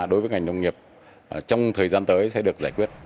đối với ngành nông nghiệp trong thời gian tới sẽ được giải quyết